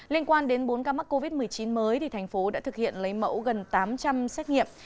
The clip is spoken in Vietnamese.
liên quan đến bốn ca mắc covid một mươi chín mới thành phố đã thực hiện lấy mẫu gần tám trăm linh xét nghiệm